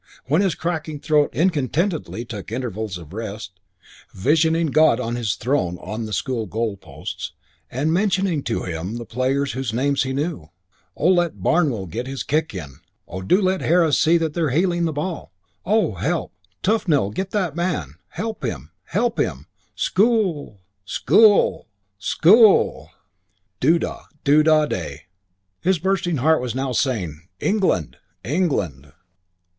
When his cracking throat incontinently took intervals of rest, he prayed to God for the school, visioning God on his throne on the school goalposts and mentioning to Him the players whose names he knew: "Oh, let Barnwell get in his kick! Oh, do let Harris see they're heeling the ball! Oh, help Tufnell to get that man! Help him! Help him! Schoo o ool! Schoo oo ool! Schoo oo ool!" Doo da! Doo da! Day! His bursting heart was now saying, "England! England!"